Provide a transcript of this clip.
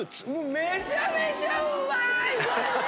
めちゃめちゃうまい！